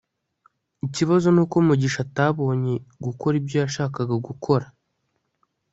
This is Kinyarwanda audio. ikibazo nuko mugisha atabonye gukora ibyo yashakaga gukora